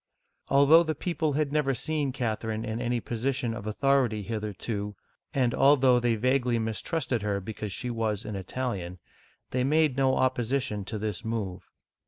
Although the people had never seen Catherine in any position of authority hitherto, and although they vaguely mistrusted her because she was an Italian, they made no opposition to this move.